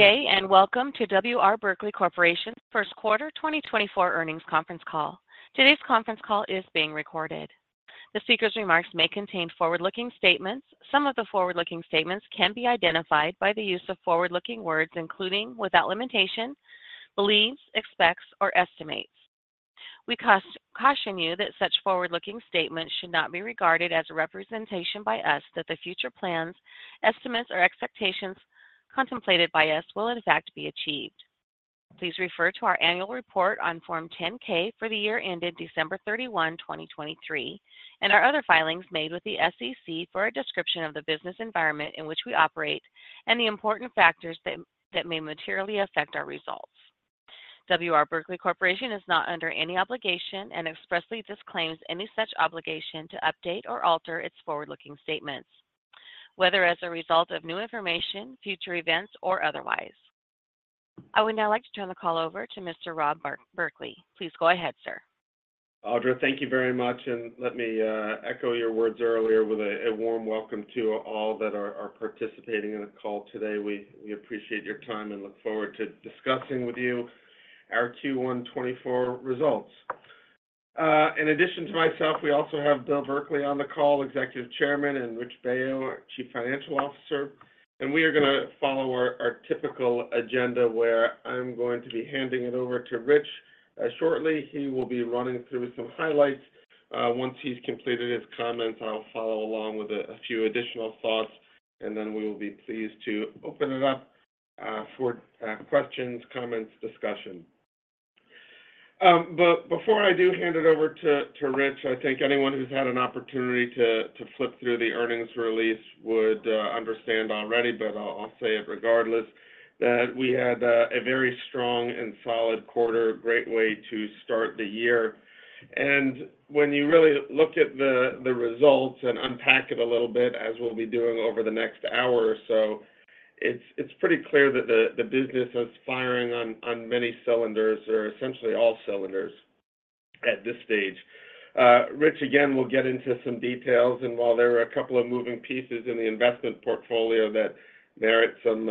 Good day and Welcome to W. R. Berkley Corporation's First quarter 2024 Earnings Conference Call. Today's conference call is being recorded. The speaker's remarks may contain forward-looking statements. Some of the forward-looking statements can be identified by the use of forward-looking words including without limitation, believes, expects, or estimates. We caution you that such forward-looking statements should not be regarded as a representation by us that the future plans, estimates, or expectations contemplated by us will, in fact, be achieved. Please refer to our annual report on Form 10-K for the year ended December 31, 2023, and our other filings made with the SEC for a description of the business environment in which we operate and the important factors that may materially affect our results. W. R. Berkley Corporation is not under any obligation and expressly disclaims any such obligation to update or alter its forward-looking statements, whether as a result of new information, future events, or otherwise. I would now like to turn the call over to Mr. Rob Berkley. Please go ahead, sir. Audra, thank you very much. Let me echo your words earlier with a warm welcome to all that are participating in the call today. We appreciate your time and look forward to discussing with you our Q1 2024 results. In addition to myself, we also have Bill Berkley on the call, Executive Chairman, and Rich Baio, Chief Financial Officer. We are going to follow our typical agenda where I'm going to be handing it over to Rich shortly. He will be running through some highlights. Once he's completed his comments, I'll follow along with a few additional thoughts, and then we will be pleased to open it up for questions, comments, discussion. But before I do hand it over to Rich, I think anyone who's had an opportunity to flip through the earnings release would understand already, but I'll say it regardless, that we had a very strong and solid quarter, great way to start the year. And when you really look at the results and unpack it a little bit, as we'll be doing over the next hour or so, it's pretty clear that the business is firing on many cylinders, or essentially all cylinders, at this stage. Rich, again, will get into some details, and while there are a couple of moving pieces in the investment portfolio that merit some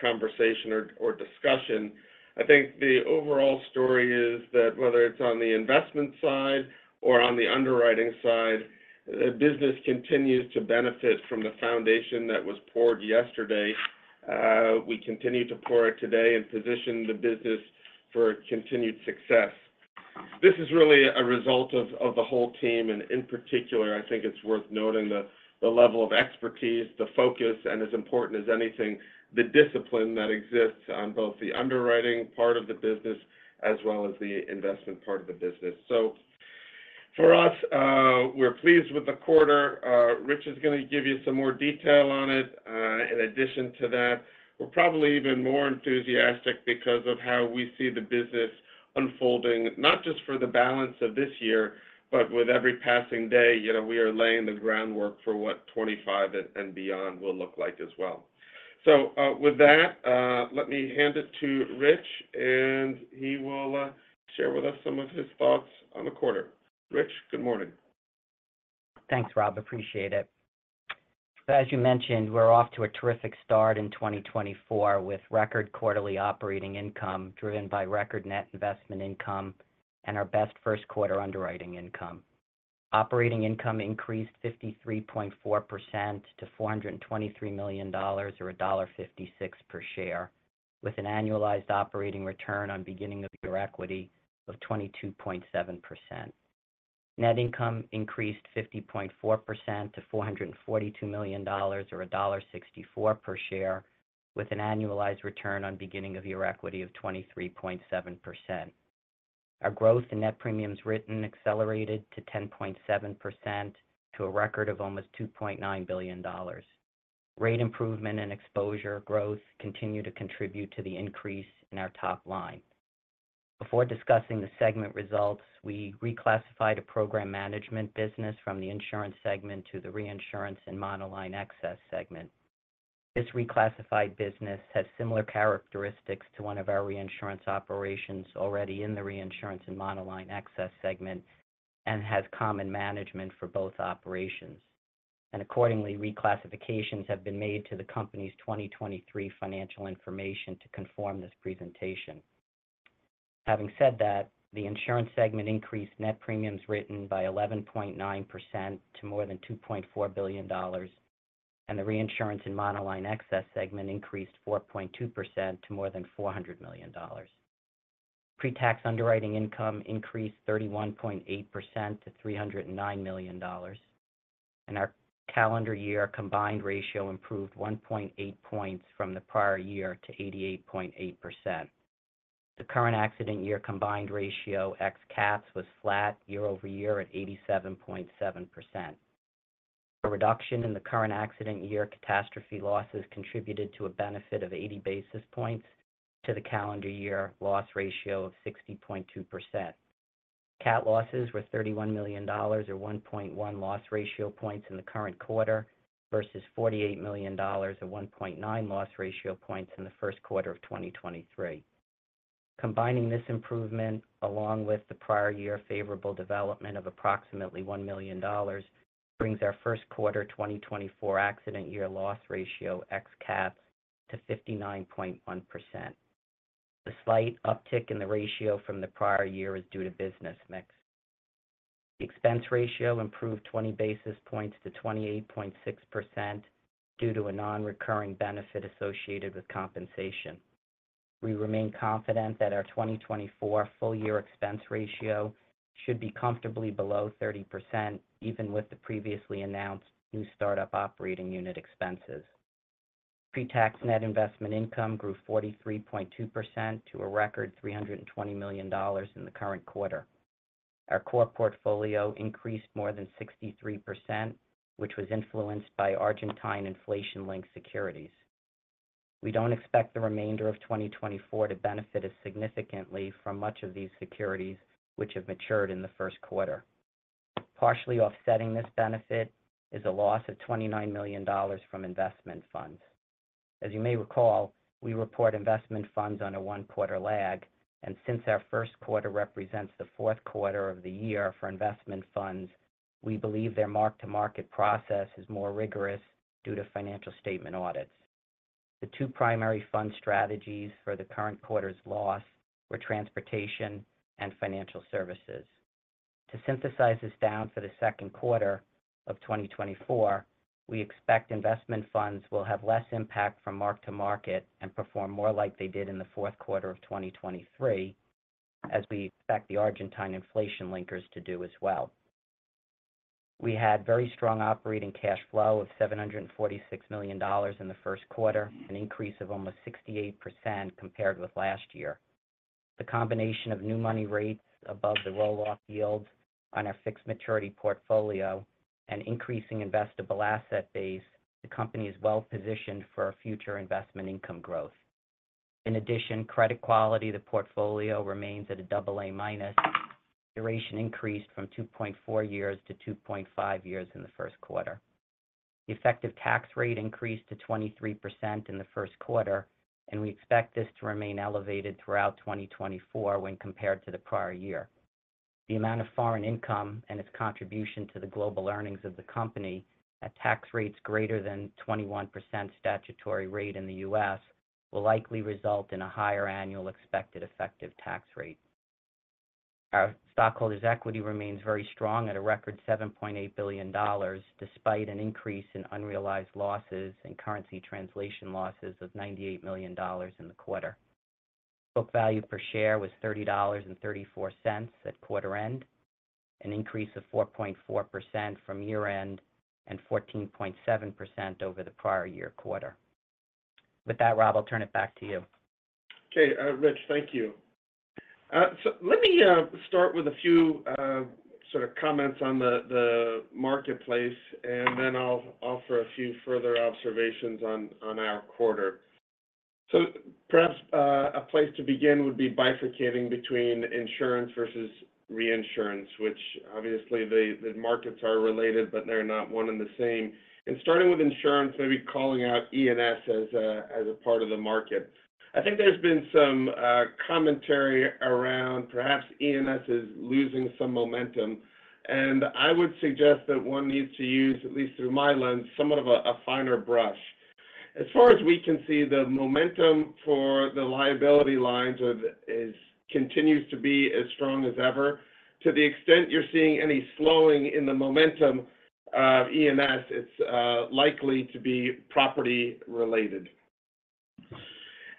conversation or discussion, I think the overall story is that whether it's on the investment side or on the underwriting side, the business continues to benefit from the foundation that was poured yesterday. We continue to pour it today and position the business for continued success. This is really a result of the whole team, and in particular, I think it's worth noting the level of expertise, the focus, and as important as anything, the discipline that exists on both the underwriting part of the business as well as the investment part of the business. So for us, we're pleased with the quarter. Rich is going to give you some more detail on it. In addition to that, we're probably even more enthusiastic because of how we see the business unfolding, not just for the balance of this year, but with every passing day, we are laying the groundwork for what 2025 and beyond will look like as well. So with that, let me hand it to Rich, and he will share with us some of his thoughts on the quarter. Rich, good morning. Thanks, Rob. Appreciate it. As you mentioned, we're off to a terrific start in 2024 with record quarterly operating income driven by record net investment income and our best first quarter underwriting income. Operating income increased 53.4% to $423 million or $1.56 per share, with an annualized operating return on beginning of year equity of 22.7%. Net income increased 50.4% to $442 million or $1.64 per share, with an annualized return on beginning of year equity of 23.7%. Our growth in net premiums written accelerated to 10.7% to a record of almost $2.9 billion. Rate improvement and exposure growth continue to contribute to the increase in our top line. Before discussing the segment results, we reclassified a program management business from the insurance segment to the reinsurance and monoline excess segment. This reclassified business has similar characteristics to one of our reinsurance operations already in the reinsurance and monoline excess segment and has common management for both operations. Accordingly, reclassifications have been made to the company's 2023 financial information to conform this presentation. Having said that, the insurance segment increased net premiums written by 11.9% to more than $2.4 billion, and the reinsurance and monoline excess segment increased 4.2% to more than $400 million. Pre-tax underwriting income increased 31.8% to $309 million, and our calendar year combined ratio improved 1.8 points from the prior year to 88.8%. The current accident year combined ratio ex CATS was flat year-over-year at 87.7%. A reduction in the current accident year catastrophe losses contributed to a benefit of 80 basis points to the calendar year loss ratio of 60.2%. CAT losses were $31 million or 1.1 loss ratio points in the current quarter versus $48 million or 1.9 loss ratio points in the first quarter of 2023. Combining this improvement along with the prior year favorable development of approximately $1 million brings our first quarter 2024 accident year loss ratio ex CATS to 59.1%. The slight uptick in the ratio from the prior year is due to business mix. The expense ratio improved 20 basis points to 28.6% due to a non-recurring benefit associated with compensation. We remain confident that our 2024 full year expense ratio should be comfortably below 30% even with the previously announced new startup operating unit expenses. Pre-tax net investment income grew 43.2% to a record $320 million in the current quarter. Our core portfolio increased more than 63%, which was influenced by Argentine inflation-linked securities. We don't expect the remainder of 2024 to benefit as significantly from much of these securities which have matured in the first quarter. Partially offsetting this benefit is a loss of $29 million from investment funds. As you may recall, we report investment funds on a one-quarter lag, and since our first quarter represents the fourth quarter of the year for investment funds, we believe their mark-to-market process is more rigorous due to financial statement audits. The two primary fund strategies for the current quarter's loss were transportation and financial services. To synthesize this down for the second quarter of 2024, we expect investment funds will have less impact from mark-to-market and perform more like they did in the fourth quarter of 2023, as we expect the Argentine inflation linkers to do as well. We had very strong operating cash flow of $746 million in the first quarter, an increase of almost 68% compared with last year. The combination of new money rates above the roll-off yields on our fixed maturity portfolio and increasing investable asset base, the company is well positioned for future investment income growth. In addition, credit quality of the portfolio remains at a AA-, duration increased from 2.4 years to 2.5 years in the first quarter. The effective tax rate increased to 23% in the first quarter, and we expect this to remain elevated throughout 2024 when compared to the prior year. The amount of foreign income and its contribution to the global earnings of the company at tax rates greater than 21% statutory rate in the U.S. will likely result in a higher annual expected effective tax rate. Our stockholders' equity remains very strong at a record $7.8 billion despite an increase in unrealized losses and currency translation losses of $98 million in the quarter. Book value per share was $30.34 at quarter end, an increase of 4.4% from year end and 14.7% over the prior year quarter. With that, Rob, I'll turn it back to you. Okay, Rich, thank you. So let me start with a few comments on the marketplace, and then I'll offer a few further observations on our quarter. So perhaps a place to begin would be bifurcating between insurance versus reinsurance, which obviously the markets are related, but they're not one and the same. And starting with insurance, maybe calling out E&S as a part of the market. I think there's been some commentary around perhaps E&S is losing some momentum, and I would suggest that one needs to use, at least through my lens, somewhat of a finer brush. As far as we can see, the momentum for the Liability lines continues to be as strong as ever. To the extent you're seeing any slowing in the momentum of E&S, it's likely to be Property related.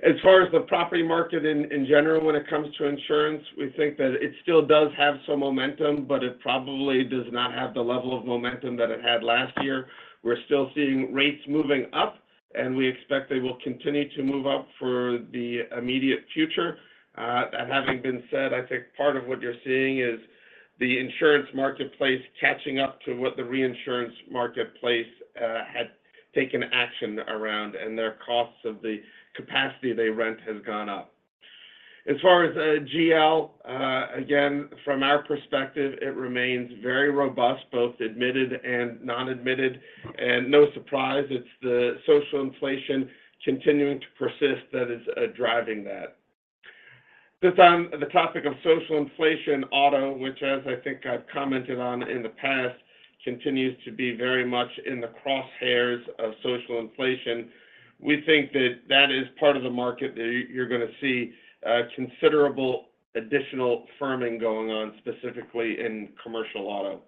As far as the Property market in general when it comes to insurance, we think that it still does have some momentum, but it probably does not have the level of momentum that it had last year. We're still seeing rates moving up, and we expect they will continue to move up for the immediate future. That having been said, I think part of what you're seeing is the insurance marketplace catching up to what the reinsurance marketplace had taken action around, and their costs of the capacity they rent has gone up. As far as GL, again, from our perspective, it remains very robust, both admitted and non-admitted. No surprise, it's the social inflation continuing to persist that is driving that. The topic of social inflation, auto, which as I think I've commented on in the past, continues to be very much in the crosshairs of social inflation. We think that that is part of the market that you're going to see considerable additional firming going on, specifically in Commercial Auto.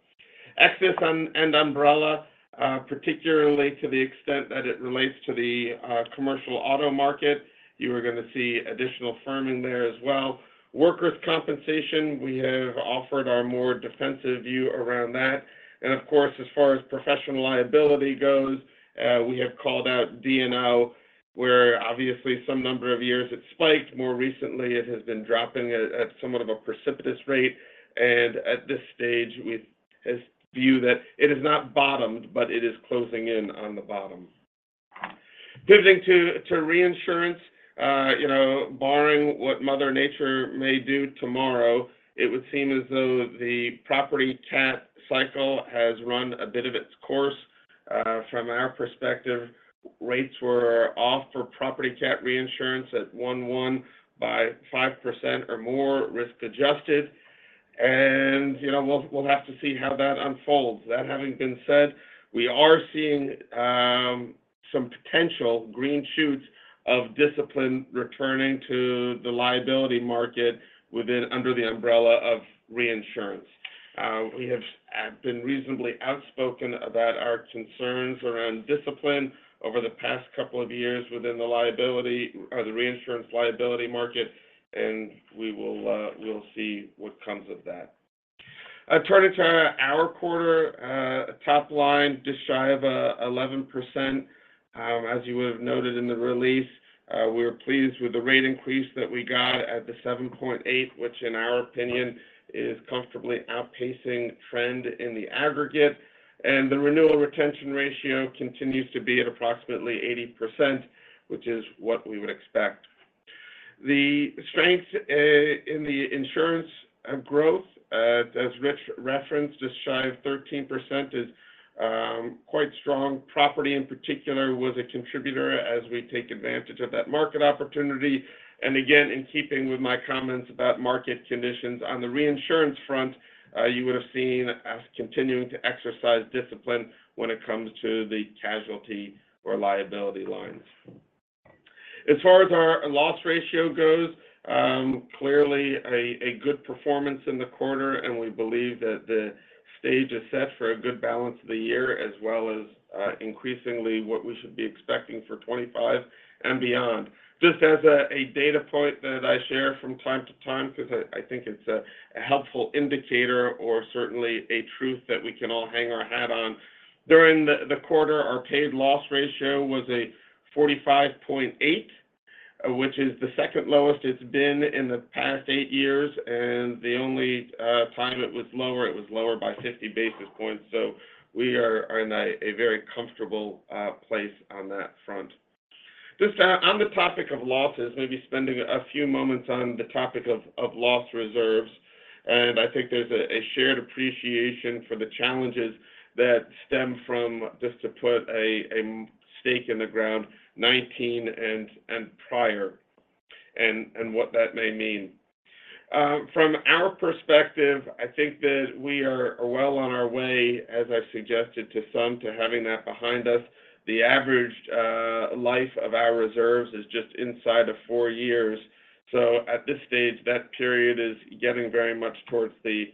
Excess and Umbrella, particularly to the extent that it relates to the Commercial Auto market, you are going to see additional firming there as well. Workers' Compensation, we have offered our more defensive view around that. And of course, as far as Professional Liability goes, we have called out D&O, where obviously some number of years it spiked. More recently, it has been dropping at somewhat of a precipitous rate, and at this stage, we view that it has not bottomed, but it is closing in on the bottom. Pivoting to reinsurance, barring what Mother Nature may do tomorrow, it would seem as though the Property CAT cycle has run a bit of its course. From our perspective, rates were off for Property CAT reinsurance at 1/1 by 5% or more risk-adjusted, and we'll have to see how that unfolds. That having been said, we are seeing some potential green shoots of discipline returning to the Liability market under the umbrella of reinsurance. We have been reasonably outspoken about our concerns around discipline over the past couple of years within the Reinsurance Liability market, and we will see what comes of that. Turning to our quarter, top line up 11%. As you would have noted in the release, we were pleased with the rate increase that we got at the 7.8%, which in our opinion is comfortably outpacing trend in the aggregate. And the renewal retention ratio continues to be at approximately 80%, which is what we would expect. The strength in the insurance growth, as Rich referenced, up 13% is quite strong. Property in particular was a contributor as we take advantage of that market opportunity. And again, in keeping with my comments about market conditions on the reinsurance front, you would have seen us continuing to exercise discipline when it comes to the Casualty or Liability lines. As far as our loss ratio goes, clearly a good performance in the quarter, and we believe that the stage is set for a good balance of the year as well as increasingly what we should be expecting for 2025 and beyond. Just as a data point that I share from time to time because I think it's a helpful indicator or certainly a truth that we can all hang our hat on, during the quarter, our paid loss ratio was a 45.8, which is the second lowest it's been in the past eight years. The only time it was lower, it was lower by 50 basis points. So we are in a very comfortable place on that front. Just on the topic of losses, maybe spending a few moments on the topic of loss reserves. And I think there's a shared appreciation for the challenges that stem from, just to put a stake in the ground, 2019 and prior and what that may mean. From our perspective, I think that we are well on our way, as I suggested to some, to having that behind us. The average life of our reserves is just inside of four years. So at this stage, that period is getting very much towards the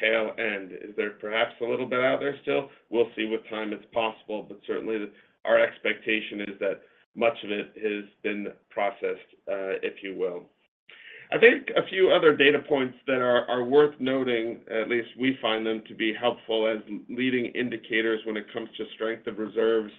tail end. Is there perhaps a little bit out there still? We'll see with time; it's possible, but certainly our expectation is that much of it has been processed, if you will. I think a few other data points that are worth noting, at least we find them to be helpful as leading indicators when it comes to strength of reserves.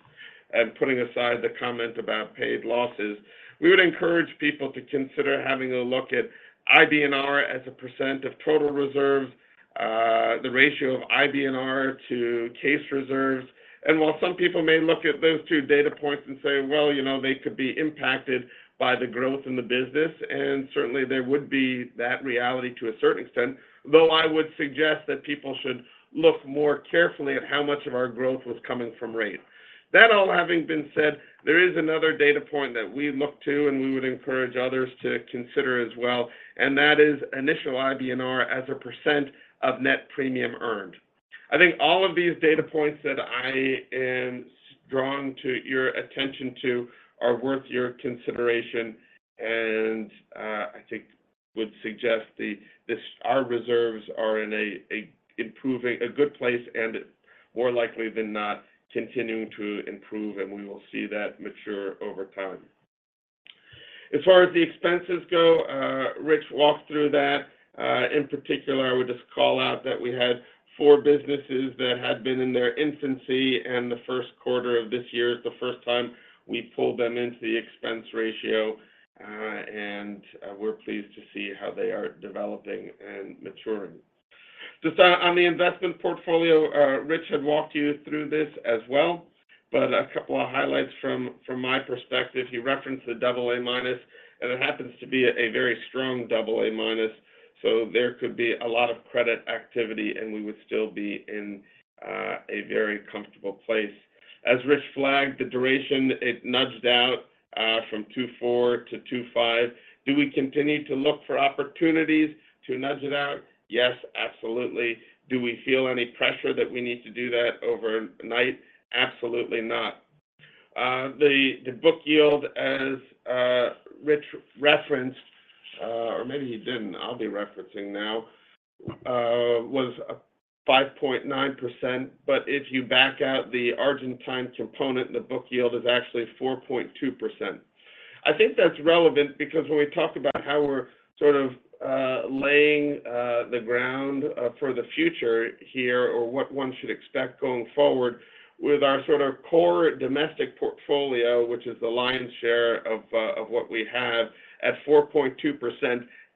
Putting aside the comment about paid losses, we would encourage people to consider having a look at IBNR as a percent of total reserves, the ratio of IBNR to case reserves. While some people may look at those two data points and say, "Well, they could be impacted by the growth in the business," and certainly there would be that reality to a certain extent, though I would suggest that people should look more carefully at how much of our growth was coming from rate. That all having been said, there is another data point that we look to and we would encourage others to consider as well, and that is initial IBNR as a percent of net premium earned. I think all of these data points that I am drawing your attention to are worth your consideration and I think would suggest our reserves are in a good place and more likely than not continuing to improve, and we will see that mature over time. As far as the expenses go, Rich walked through that. In particular, I would just call out that we had four businesses that had been in their infancy, and the first quarter of this year is the first time we pulled them into the expense ratio, and we're pleased to see how they are developing and maturing. Just on the investment portfolio, Rich had walked you through this as well, but a couple of highlights from my perspective. He referenced the AA-, and it happens to be a very strong AA-, so there could be a lot of credit activity, and we would still be in a very comfortable place. As Rich flagged, the duration, it nudged out from 2.4 years to 2.5 years. Do we continue to look for opportunities to nudge it out? Yes, absolutely. Do we feel any pressure that we need to do that overnight? Absolutely not. The book yield, as Rich referenced, or maybe he didn't, I'll be referencing now, was 5.9%, but if you back out the Argentine component, the book yield is actually 4.2%. I think that's relevant because when we talk about how we're laying the ground for the future here or what one should expect going forward with our core domestic portfolio, which is the lion's share of what we have, at 4.2%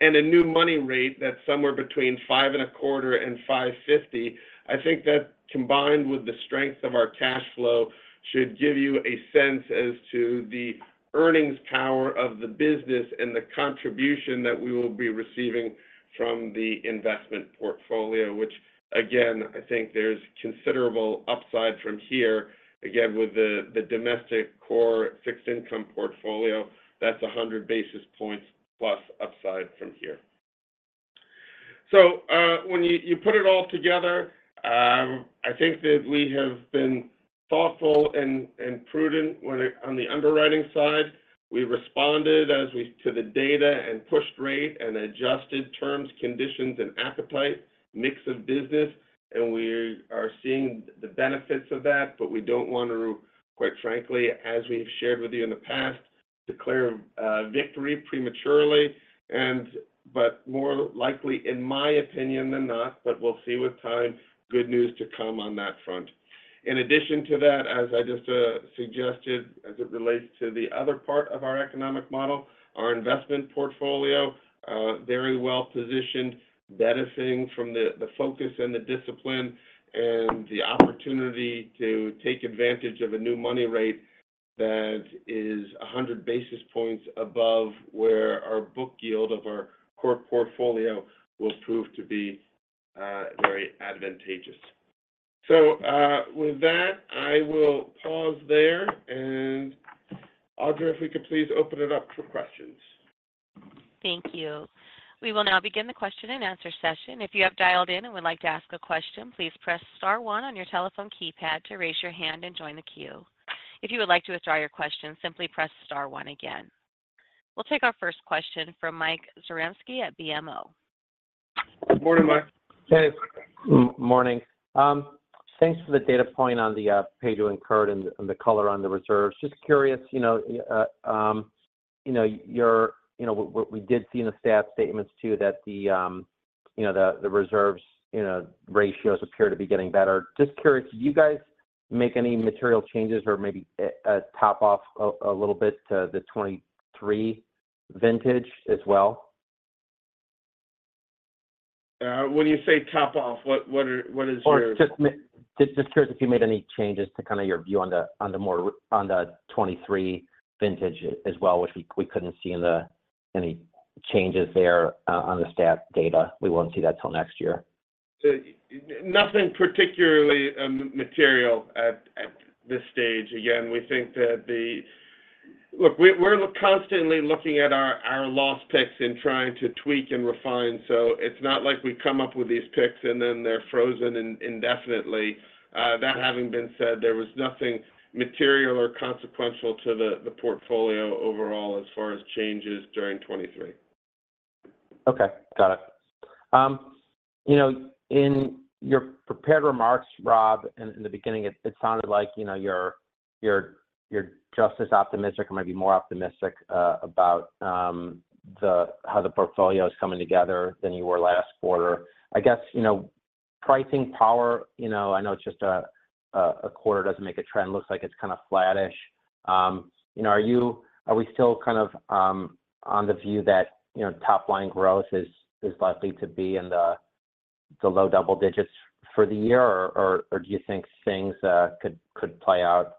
and a new money rate that's somewhere between 5.25%-5.50%, I think that combined with the strength of our cash flow should give you a sense as to the earnings power of the business and the contribution that we will be receiving from the investment portfolio, which again, I think there's considerable upside from here. Again, with the domestic core fixed income portfolio, that's 100 basis points plus upside from here. So when you put it all together, I think that we have been thoughtful and prudent on the underwriting side. We responded to the data and pushed rate and adjusted terms, conditions, and appetite, mix of business, and we are seeing the benefits of that, but we don't want to, quite frankly, as we've shared with you in the past, declare victory prematurely, but more likely, in my opinion than not, but we'll see with time, good news to come on that front. In addition to that, as I just suggested as it relates to the other part of our economic model, our investment portfolio, very well positioned, benefiting from the focus and the discipline and the opportunity to take advantage of a new money rate that is 100 basis points above where our book yield of our core portfolio will prove to be very advantageous. So with that, I will pause there, and Audra, if we could please open it up for questions. Thank you. We will now begin the question and answer session. If you have dialed in and would like to ask a question, please press star one on your telephone keypad to raise your hand and join the queue. If you would like to withdraw your question, simply press star one again. We'll take our first question from Mike Zaremski at BMO. Good morning, Mike. Hey. Morning. Thanks for the data point on the paid to incurred and the color on the reserves. Just curious, you know we did see in the statutory statements too that the reserves ratios appear to be getting better. Just curious, did you guys make any material changes or maybe a top-off a little bit to the 2023 vintage as well? When you say top-off, what is your? Just curious if you made any changes to your view on the 2023 vintage as well, which we couldn't see any changes there on the stats data. We won't see that till next year. Nothing particularly material at this stage. Again, we think that the look, we're constantly looking at our loss picks and trying to tweak and refine, so it's not like we come up with these picks and then they're frozen indefinitely. That having been said, there was nothing material or consequential to the portfolio overall as far as changes during 2023. Okay. Got it. In your prepared remarks, Rob, in the beginning, it sounded like you're just as optimistic or maybe more optimistic about how the portfolio is coming together than you were last quarter. I guess pricing power. I know it's just a quarter doesn't make a trend. Looks like it's kind of flat-ish. Are we still kind of on the view that top-line growth is likely to be in the low double digits for the year, or do you think things could play out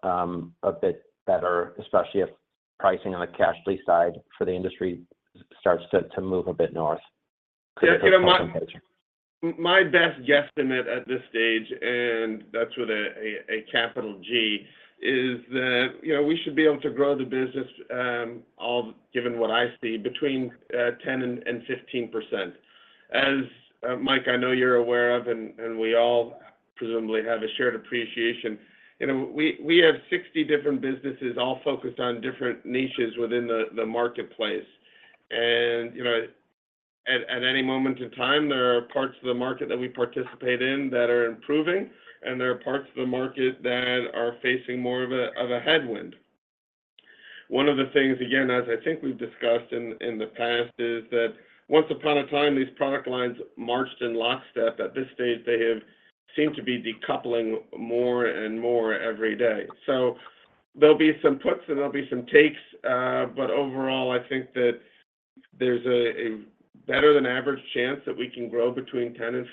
a bit better, especially if pricing on the CAT free side for the industry starts to move a bit north? Yeah. My best guesstimate at this stage, and that's with a capital G, is that we should be able to grow the business, given what I see, between 10%-15%. As Mike, I know you're aware of, and we all presumably have a shared appreciation, we have 60 different businesses all focused on different niches within the marketplace. At any moment in time, there are parts of the market that we participate in that are improving, and there are parts of the market that are facing more of a headwind. One of the things, again, as I think we've discussed in the past, is that once upon a time, these product lines marched in lockstep. At this stage, they have seemed to be decoupling more and more every day. So there'll be some puts, and there'll be some takes, but overall, I think that there's a better-than-average chance that we can grow between 10% and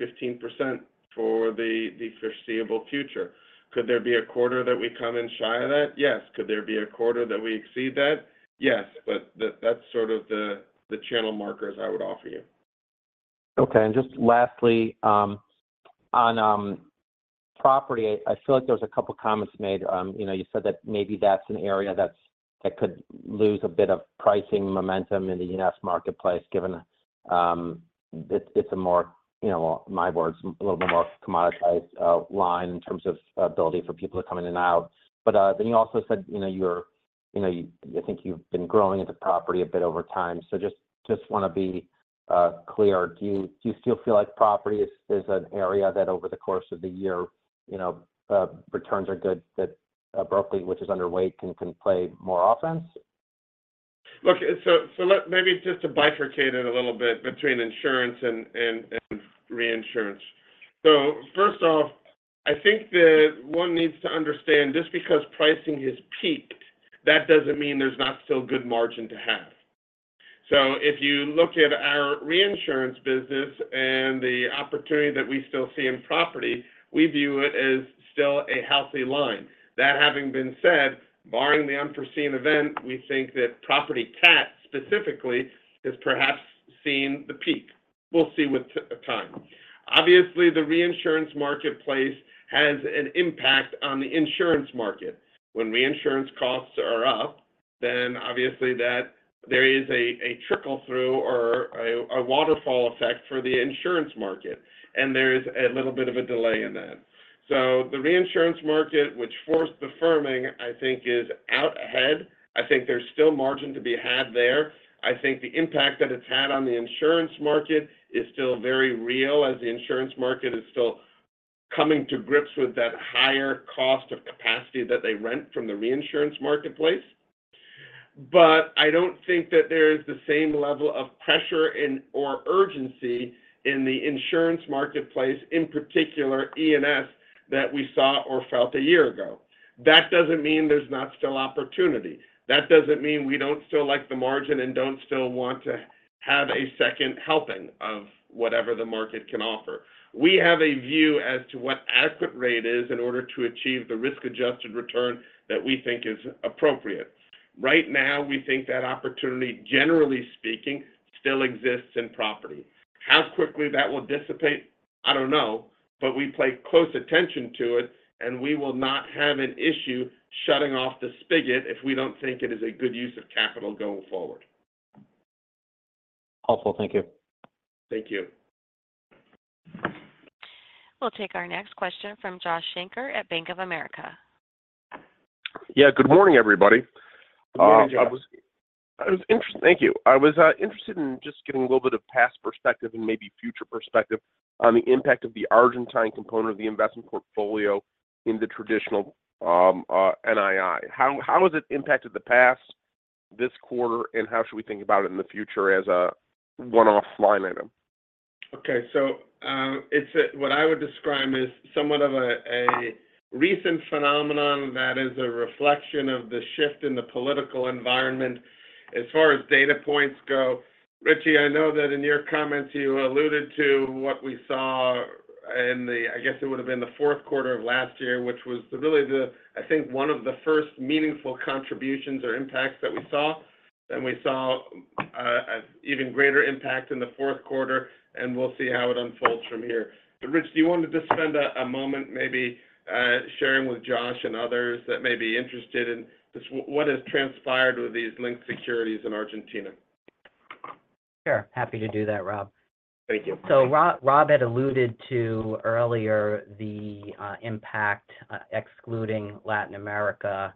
15% for the foreseeable future. Could there be a quarter that we come in shy of that? Yes. Could there be a quarter that we exceed that? Yes. But that's the channel markers I would offer you. Okay. Just lastly, on Property, I feel like there was a couple of comments made. You said that maybe that's an area that could lose a bit of pricing momentum in the U.S. marketplace given it's a more, in my words, a little bit more commoditized line in terms of ability for people to come in and out. But then you also said you're, I think, you've been growing into Property a bit over time. So just want to be clear, do you still feel like Property is an area that over the course of the year, returns are good, that Berkley, which is underweight, can play more offense? Look, so maybe just to bifurcate it a little bit between insurance and reinsurance. So first off, I think that one needs to understand just because pricing has peaked, that doesn't mean there's not still good margin to have. So if you look at our reinsurance business and the opportunity that we still see in Property, we view it as still a healthy line. That having been said, barring the unforeseen event, we think that Property CAT specifically has perhaps seen the peak. We'll see with time. Obviously, the reinsurance marketplace has an impact on the insurance market. When reinsurance costs are up, then obviously there is a trickle-through or a waterfall effect for the insurance market, and there is a little bit of a delay in that. So the reinsurance market, which forced the firming, I think is out ahead. I think there's still margin to be had there. I think the impact that it's had on the insurance market is still very real as the insurance market is still coming to grips with that higher cost of capacity that they rent from the reinsurance marketplace. But I don't think that there is the same level of pressure or urgency in the insurance marketplace, in particular E&S, that we saw or felt a year ago. That doesn't mean there's not still opportunity. That doesn't mean we don't still like the margin and don't still want to have a second helping of whatever the market can offer. We have a view as to what adequate rate is in order to achieve the risk-adjusted return that we think is appropriate. Right now, we think that opportunity, generally speaking, still exists in Property. How quickly that will dissipate, I don't know, but we pay close attention to it, and we will not have an issue shutting off the spigot if we don't think it is a good use of capital going forward. Helpful. Thank you. Thank you. We'll take our next question from Josh Shanker at Bank of America. Yeah. Good morning, everybody. I was interested, thank you. I was interested in just getting a little bit of past perspective and maybe future perspective on the impact of the Argentine component of the investment portfolio in the traditional NII. How has it impacted the past this quarter, and how should we think about it in the future as a one-off line item? Okay. So what I would describe as somewhat of a recent phenomenon that is a reflection of the shift in the political environment as far as data points go. Rich, I know that in your comments, you alluded to what we saw in the I guess it would have been the fourth quarter of last year, which was really the, I think, one of the first meaningful contributions or impacts that we saw. Then we saw an even greater impact in the fourth quarter, and we'll see how it unfolds from here. But Rich, do you want to just spend a moment maybe sharing with Josh and others that may be interested in just what has transpired with these linked securities in Argentina? Sure. Happy to do that, Rob. Thank you. So Rob had alluded to earlier the impact excluding Latin America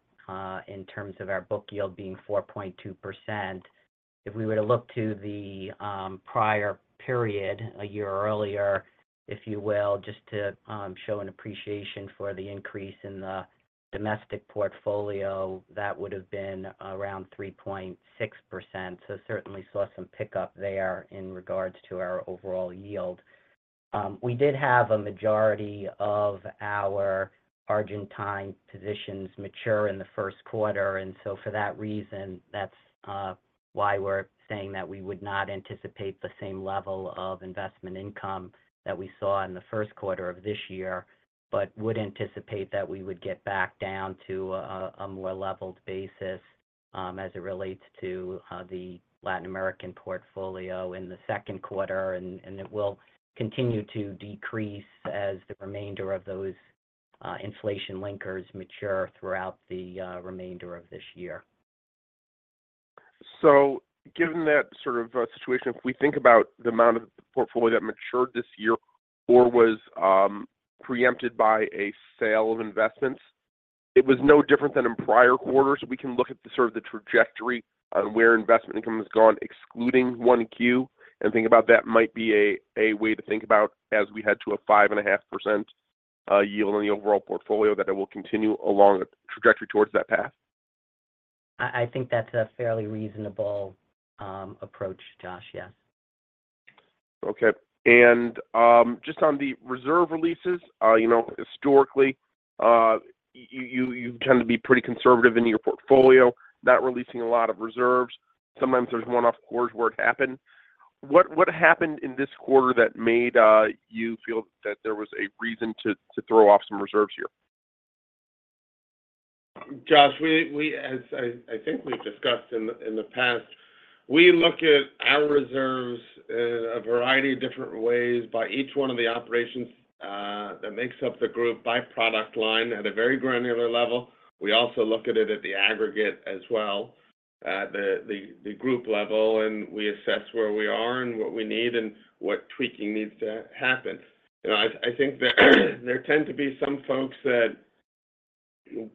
in terms of our book yield being 4.2%. If we were to look to the prior period, a year earlier, if you will, just to show an appreciation for the increase in the domestic portfolio, that would have been around 3.6%. So certainly saw some pickup there in regards to our overall yield. We did have a majority of our Argentine positions mature in the first quarter, and so for that reason, that's why we're saying that we would not anticipate the same level of investment income that we saw in the first quarter of this year, but would anticipate that we would get back down to a more leveled basis as it relates to the Latin American portfolio in the second quarter, and it will continue to decrease as the remainder of those inflation linkers mature throughout the remainder of this year. So given that situation, if we think about the amount of the portfolio that matured this year or was preempted by a sale of investments, it was no different than in prior quarters. We can look at the trajectory on where investment income has gone excluding one Q, and think about that might be a way to think about as we head to a 5.5% yield on the overall portfolio that it will continue along a trajectory towards that path. I think that's a fairly reasonable approach, Josh. Yes. Okay. And just on the reserve releases, historically, you tend to be pretty conservative in your portfolio, not releasing a lot of reserves. Sometimes there's one-off quarters where it happened. What happened in this quarter that made you feel that there was a reason to throw off some reserves here? Josh, I think we've discussed in the past, we look at our reserves in a variety of different ways by each one of the operations that makes up the group, by product line, at a very granular level. We also look at it at the aggregate as well, at the group level, and we assess where we are and what we need and what tweaking needs to happen. I think there tend to be some folks that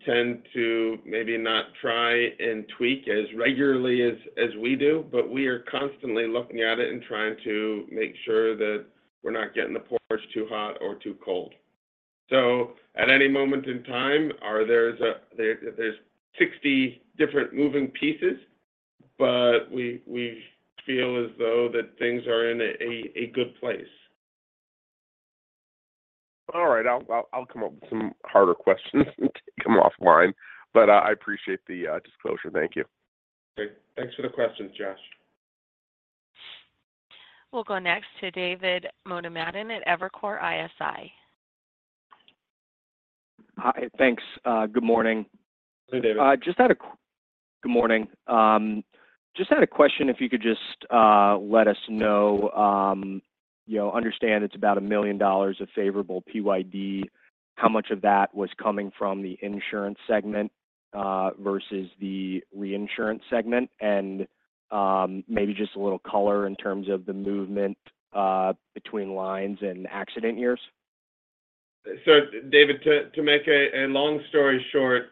tend to maybe not try and tweak as regularly as we do, but we are constantly looking at it and trying to make sure that we're not getting the porridge too hot or too cold. So at any moment in time, there's 60 different moving pieces, but we feel as though that things are in a good place. All right. I'll come up with some harder questions and take them offline, but I appreciate the disclosure. Thank you. Okay. Thanks for the questions, Josh. We'll go next to David Motemaden at Evercore ISI. Hi. Thanks. Good morning. Hi, David. Good morning. Just had a question if you could just let us know, understand it's about a million dollar of favorable PYD. How much of that was coming from the insurance segment versus the reinsurance segment, and maybe just a little color in terms of the movement between lines and accident years? So David, to make a long story short,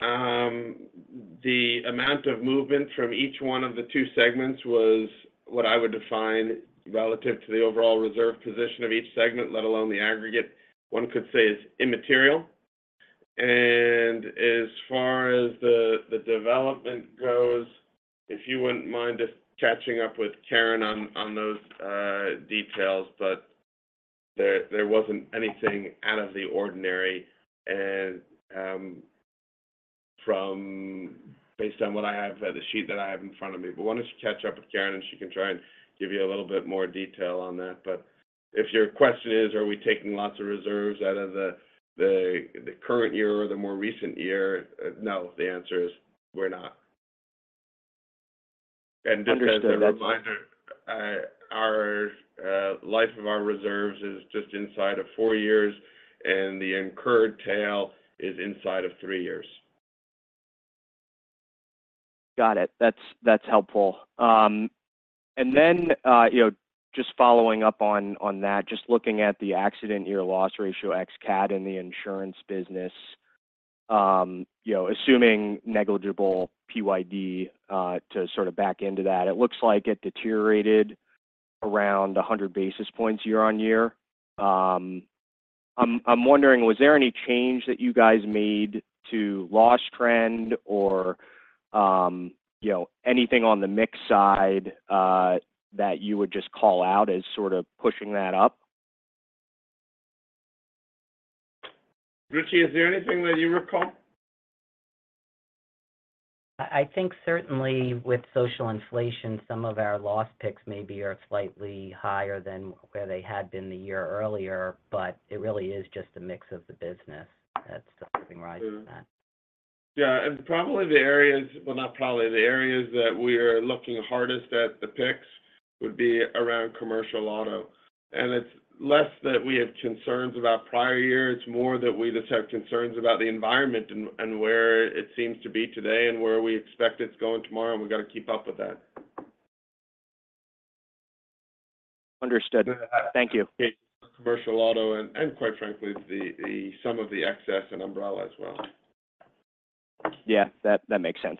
the amount of movement from each one of the two segments was what I would define relative to the overall reserve position of each segment, let alone the aggregate, one could say, is immaterial. As far as the development goes, if you wouldn't mind just catching up with Karen on those details, but there wasn't anything out of the ordinary based on what I have on the sheet that I have in front of me. Why don't you catch up with Karen, and she can try and give you a little bit more detail on that. If your question is, are we taking lots of reserves out of the current year or the more recent year? No, the answer is we're not. Just as a reminder, the life of our reserves is just inside of four years, and the incurred tail is inside of three years. Got it. That's helpful. And then just following up on that, just looking at the accident year loss ratio ex CAT in the insurance business, assuming negligible PYD to back into that, it looks like it deteriorated around 100 basis points year-on-year. I'm wondering, was there any change that you guys made to loss trend or anything on the mix side that you would just call out as pushing that up? Richie, is there anything that you recall? I think certainly with social inflation, some of our loss picks maybe are slightly higher than where they had been the year earlier, but it really is just a mix of the business that's rising from that. Yeah. And probably the areas, well, not probably. The areas that we are looking hardest at the picks would be around Commercial Auto. And it's less that we have concerns about prior years. It's more that we just have concerns about the environment and where it seems to be today and where we expect it's going tomorrow. And we got to keep up with that. Understood. Thank you. Commercial Auto and, quite frankly, some of the excess and umbrella as well. Yeah. That makes sense.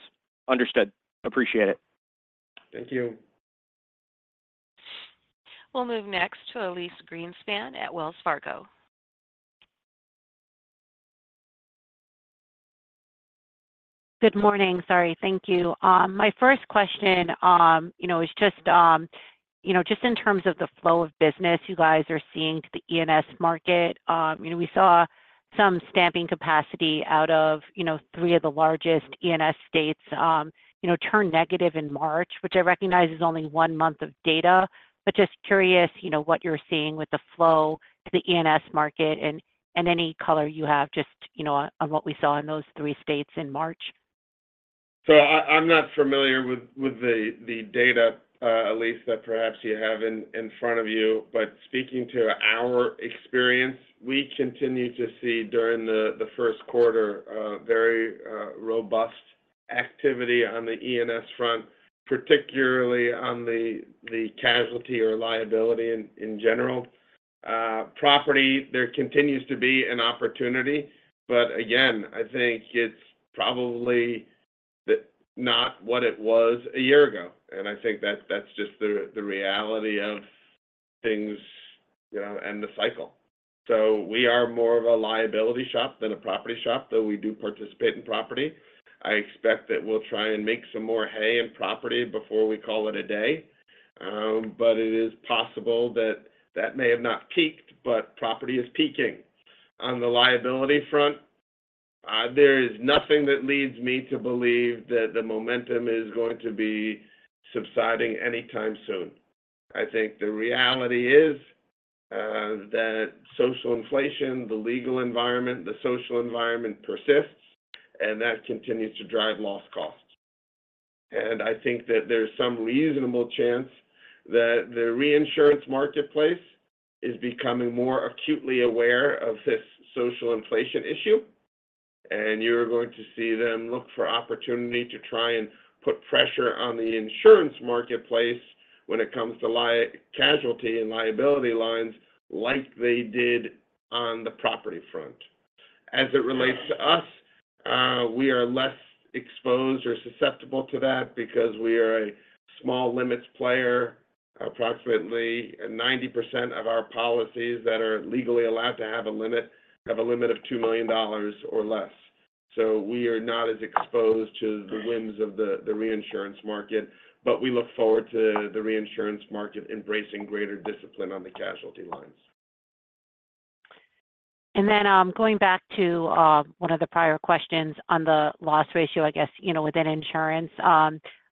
Understood. Appreciate it. Thank you. We'll move next to Elyse Greenspan at Wells Fargo. Good morning. Sorry. Thank you. My first question is just in terms of the flow of business you guys are seeing to the E&S market. We saw some stamping capacity out of three of the largest E&S states turn negative in March, which I recognize is only one month of data. Just curious what you're seeing with the flow to the E&S market and any color you have just on what we saw in those three states in March. So I'm not familiar with the data, Elyse, that perhaps you have in front of you, but speaking to our experience, we continue to see during the first quarter very robust activity on the E&S front, particularly on the Casualty or Liability in general. Property, there continues to be an opportunity, but again, I think it's probably not what it was a year ago. And I think that's just the reality of things and the cycle. So we are more of a Liability shop than a Property shop, though we do participate in Property. I expect that we'll try and make some more hay in Property before we call it a day, but it is possible that that may have not peaked, but Property is peaking. On the Liability front, there is nothing that leads me to believe that the momentum is going to be subsiding anytime soon. I think the reality is that social inflation, the legal environment, the social environment persists, and that continues to drive loss costs. I think that there's some reasonable chance that the reinsurance marketplace is becoming more acutely aware of this social inflation issue, and you're going to see them look for opportunity to try and put pressure on the insurance marketplace when it comes to Casualty and Liability lines like they did on the Property front. As it relates to us, we are less exposed or susceptible to that because we are a small limits player. Approximately 90% of our policies that are legally allowed to have a limit have a limit of $2 million or less. So we are not as exposed to the whims of the reinsurance market, but we look forward to the reinsurance market embracing greater discipline on the Casualty lines. And then going back to one of the prior questions on the loss ratio, I guess, within insurance,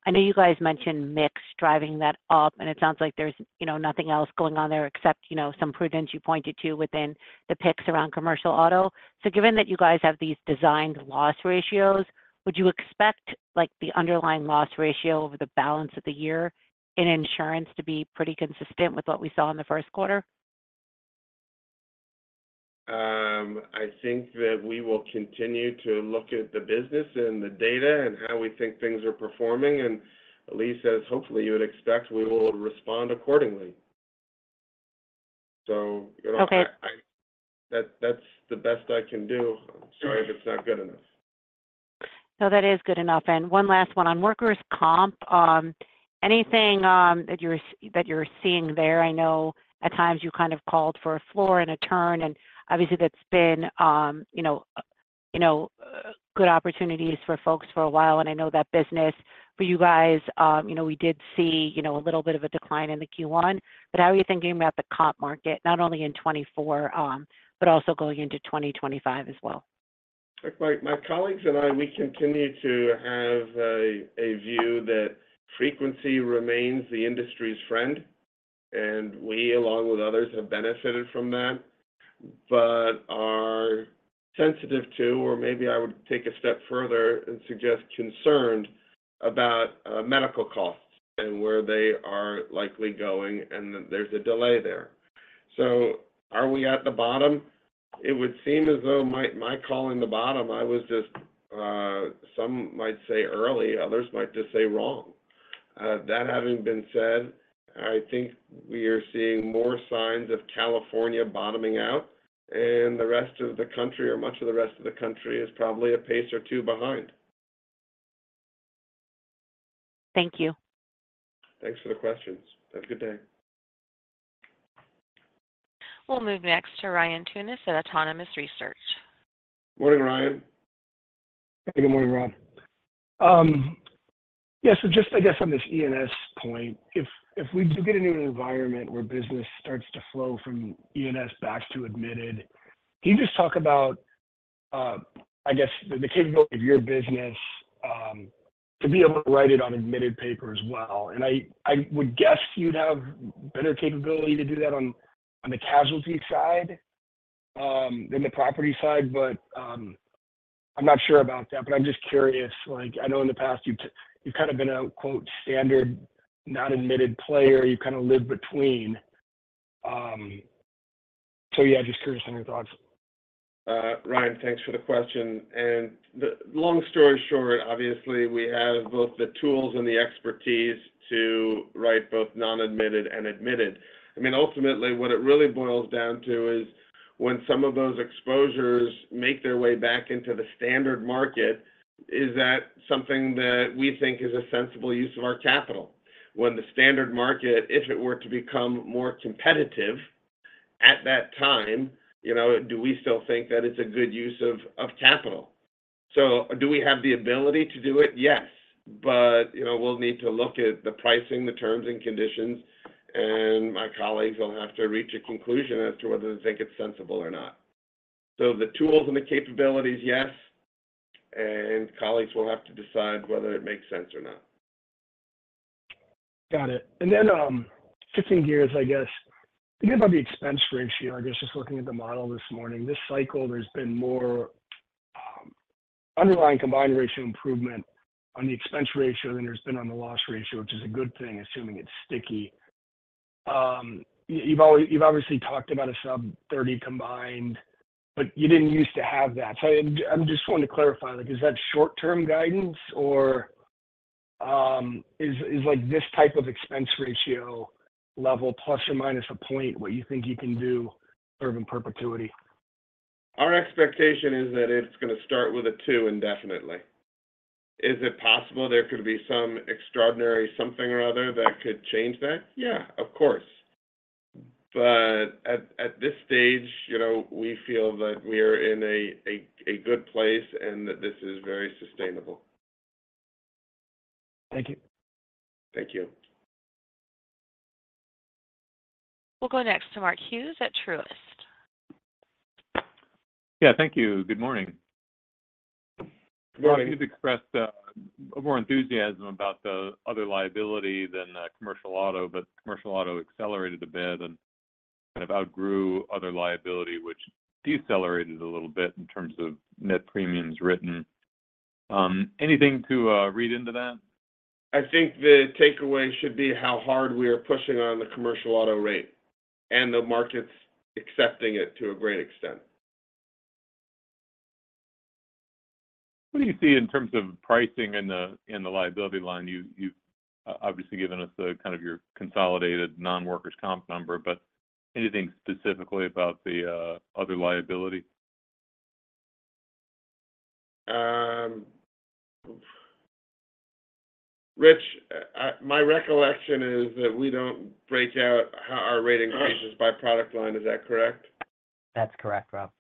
I know you guys mentioned mix driving that up, and it sounds like there's nothing else going on there except some prudence you pointed to within the P&C around Commercial Auto. So given that you guys have these designed loss ratios, would you expect the underlying loss ratio over the balance of the year in insurance to be pretty consistent with what we saw in the first quarter? I think that we will continue to look at the business and the data and how we think things are performing. Elyse says, hopefully, you would expect we will respond accordingly. So that's the best I can do. I'm sorry if it's not good enough. No, that is good enough. One last one on workers' comp. Anything that you're seeing there? I know at times you called for a floor and a turn, and obviously, that's been good opportunities for folks for a while, and I know that business for you guys, we did see a little bit of a decline in the Q1. But how are you thinking about the comp market, not only in 2024 but also going into 2025 as well? My colleagues and I, we continue to have a view that frequency remains the industry's friend, and we, along with others, have benefited from that but are sensitive to, or maybe I would take a step further and suggest, concerned about medical costs and where they are likely going and that there's a delay there. So are we at the bottom? It would seem as though my calling the bottom, I was just, some might say, early, others might just say wrong. That having been said, I think we are seeing more signs of California bottoming out, and the rest of the country or much of the rest of the country is probably a pace or two behind. Thank you. Thanks for the questions. Have a good day. We'll move next to Ryan Tunis at Autonomous Research. Morning, Ryan. Hey. Good morning, Rob. Yeah. So just, I guess, on this E&S point, if we do get into an environment where business starts to flow from E&S back to admitted, can you just talk about, I guess, the capability of your business to be able to write it on admitted paper as well? And I would guess you'd have better capability to do that on the Casualty side than the Property side, but I'm not sure about that. But I'm just curious. I know in the past, you've kind of been a "standard not-admitted player." You've kind of lived between. So yeah, just curious on your thoughts. Ryan, thanks for the question. And long story short, obviously, we have both the tools and the expertise to write both non-admitted and admitted. I mean, ultimately, what it really boils down to is when some of those exposures make their way back into the standard market, is that something that we think is a sensible use of our capital? When the standard market, if it were to become more competitive at that time, do we still think that it's a good use of capital? So do we have the ability to do it? Yes, but we'll need to look at the pricing, the terms, and conditions, and my colleagues will have to reach a conclusion as to whether they think it's sensible or not. So the tools and the capabilities, yes, and colleagues will have to decide whether it makes sense or not. Got it. And then shifting gears, I guess, thinking about the expense ratio, I guess, just looking at the model this morning, this cycle, there's been more underlying combined ratio improvement on the expense ratio than there's been on the loss ratio, which is a good thing, assuming it's sticky. You've obviously talked about a sub-30% combined, but you didn't used to have that. So I'm just wanting to clarify. Is that short-term guidance, or is this type of expense ratio level plus or minus a point what you think you can do sort of in perpetuity? Our expectation is that it's going to start with a two indefinitely. Is it possible there could be some extraordinary something or other that could change that? Yeah, of course. But at this stage, we feel that we are in a good place and that this is very sustainable. Thank you. Thank you. We'll go next to Mark Hughes at Truist. Yeah. Thank you. Good morning. Good morning. You expressed more enthusiasm about the Other Liability than Commercial Auto, but Commercial Auto accelerated a bit and kind of outgrew Other Liability, which decelerated a little bit in terms of net premiums written. Anything to read into that? I think the takeaway should be how hard we are pushing on the Commercial Auto rate and the market's accepting it to a great extent. What do you see in terms of pricing in the Liability line? You've obviously given us kind of your consolidated Non-Workers' Comp number, but anything specifically about the Other Liability? Rich, my recollection is that we don't break out how our rate increases by product line. Is that correct? That's correct, Rob.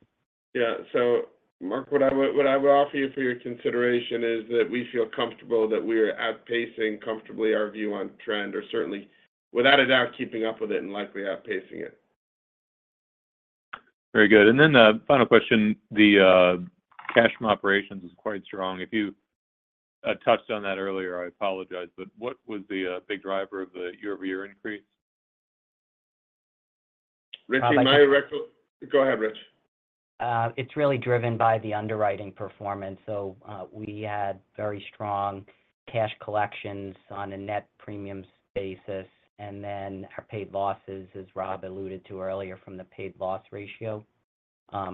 Yeah. So, Mark, what I would offer you for your consideration is that we feel comfortable that we are outpacing comfortably our view on trend or certainly, without a doubt, keeping up with it and likely outpacing it. Very good. And then final question. The cash from operations is quite strong. If you touched on that earlier, I apologize, but what was the big driver of the year-over-year increase? Richie, my recollection. How about. Go ahead, Rich. It's really driven by the underwriting performance. We had very strong cash collections on a net premiums basis. Then our paid losses, as Rob alluded to earlier from the paid loss ratio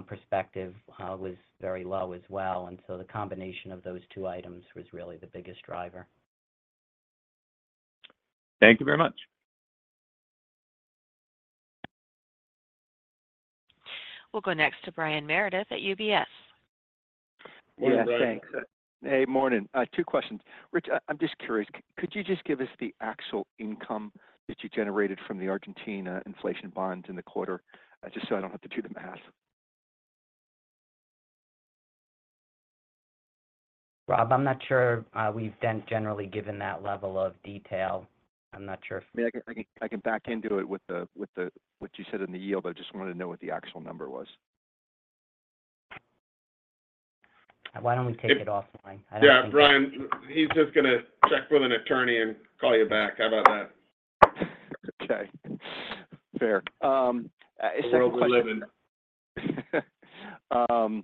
perspective, was very low as well. So the combination of those two items was really the biggest driver. Thank you very much. We'll go next to Brian Meredith at UBS. Morning, Brian. Yeah. Thanks. Hey, morning. Two questions. Rich, I'm just curious. Could you just give us the actual income that you generated from the Argentina inflation bonds in the quarter just so I don't have to do the math? Rob, I'm not sure we've been generally given that level of detail. I'm not sure. I mean, I can back into it with what you said in the yield, but I just wanted to know what the actual number was. Why don't we take it offline? I don't think we can. Yeah. Brian, he's just going to check with an attorney and call you back. How about that? Okay. Fair. Second question. Where are we living?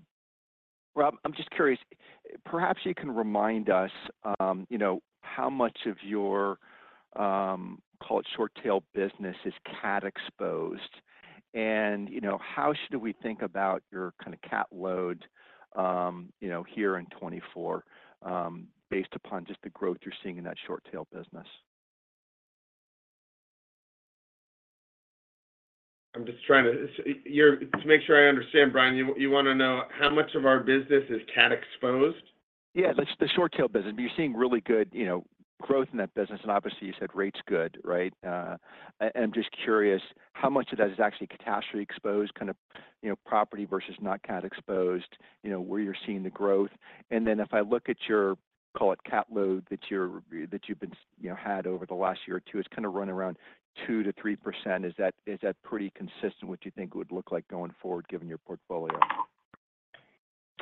Rob, I'm just curious. Perhaps you can remind us how much of your, call it, short-tail business is CAT-exposed, and how should we think about your kind of CAT load here in 2024 based upon just the growth you're seeing in that short-tail business? I'm just trying to make sure I understand, Brian, you want to know how much of our business is CAT-exposed? Yeah. The short-tail business. But you're seeing really good growth in that business. And obviously, you said rates good, right? And I'm just curious how much of that is actually catastrophe-exposed, kind of Property versus not CAT-exposed, where you're seeing the growth. And then if I look at your, call it, CAT load that you've had over the last year or two, it's kind of run around 2%-3%. Is that pretty consistent with what you think it would look like going forward given your portfolio?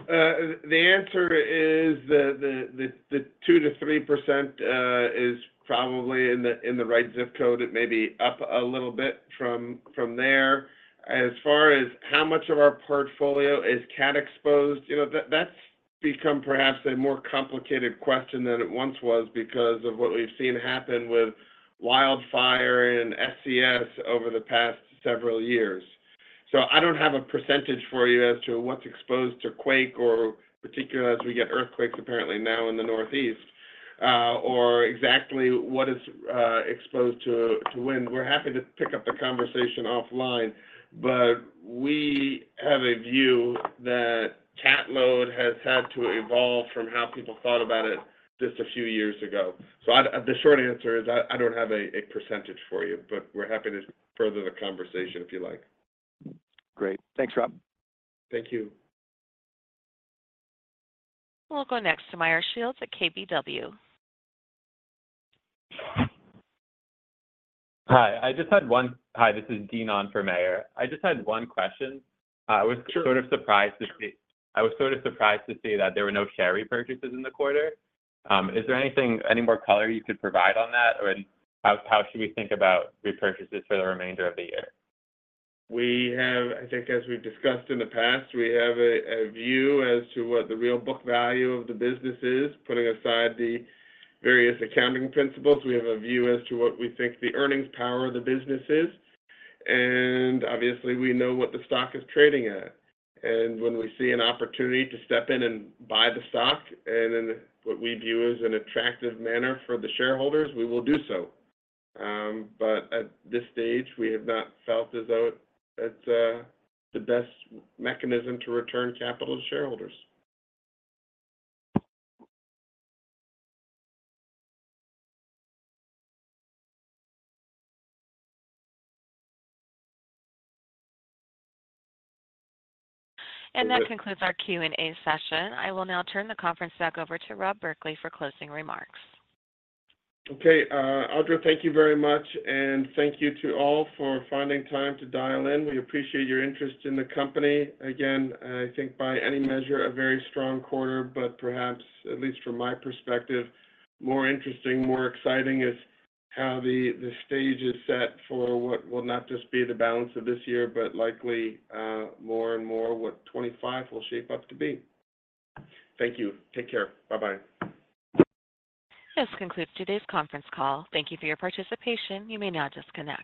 The answer is that the 2%-3% is probably in the right zip code. It may be up a little bit from there. As far as how much of our portfolio is CAT-exposed, that's become perhaps a more complicated question than it once was because of what we've seen happen with wildfire and SCS over the past several years. So I don't have a percentage for you as to what's exposed to quake, particularly as we get earthquakes, apparently, now in the Northeast, or exactly what is exposed to wind. We're happy to pick up the conversation offline, but we have a view that CAT load has had to evolve from how people thought about it just a few years ago. So the short answer is I don't have a percentage for you, but we're happy to further the conversation if you like. Great. Thanks, Rob. Thank you. We'll go next to Meyer Shields at KBW. Hi. This is Dean on for Meyer. I just had one question. I was sort of surprised to see. Sure. I was sort of surprised to see that there were no share repurchases in the quarter. Is there any more color you could provide on that, and how should we think about repurchases for the remainder of the year? I think as we've discussed in the past, we have a view as to what the real book value of the business is, putting aside the various accounting principles. We have a view as to what we think the earnings power of the business is. Obviously, we know what the stock is trading at. When we see an opportunity to step in and buy the stock in what we view as an attractive manner for the shareholders, we will do so. At this stage, we have not felt as though it's the best mechanism to return capital to shareholders. That concludes our Q&A session. I will now turn the conference back over to Rob Berkley for closing remarks. Okay. Audra, thank you very much. Thank you to all for finding time to dial in. We appreciate your interest in the company. Again, I think by any measure, a very strong quarter, but perhaps, at least from my perspective, more interesting, more exciting is how the stage is set for what will not just be the balance of this year but likely more and more what 2025 will shape up to be. Thank you. Take care. Bye-bye. This concludes today's conference call. Thank you for your participation. You may now disconnect.